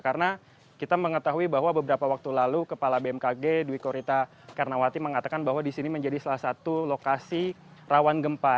karena kita mengetahui bahwa beberapa waktu lalu kepala bmkg dwi korita karnawati mengatakan bahwa disini menjadi salah satu lokasi rawan gempa